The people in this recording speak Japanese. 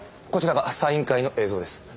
こちらがサイン会の映像です。